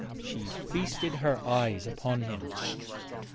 She feasted her eyes upon him.